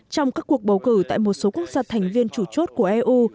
trong các cuộc bầu cử tại một số quốc gia thành viên chủ chốt của eu